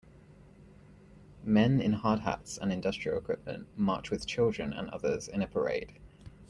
Men in hard hats and industrial equipment march with children and others in a parade.